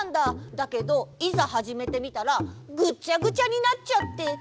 だけどいざはじめてみたらグッチャグチャになっちゃって。